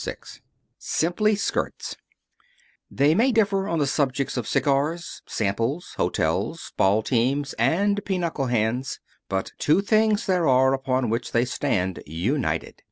VI SIMPLY SKIRTS They may differ on the subjects of cigars, samples, hotels, ball teams and pinochle hands, but two things there are upon which they stand united.